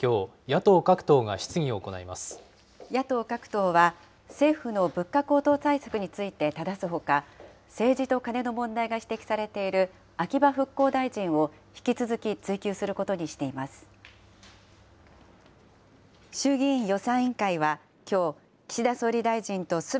野党各党は、政府の物価高騰対策についてただすほか、政治とカネの問題が指摘されている秋葉復興大臣を引き続き追及することにしています。